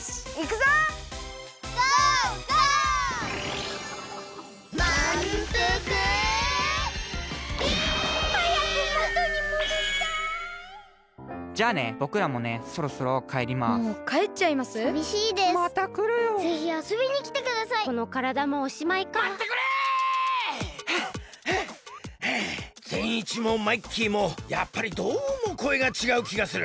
ぜんいちもマイッキーもやっぱりどうもこえがちがうきがする！